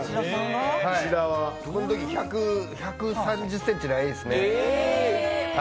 このとき１３０ｃｍ、ないですね。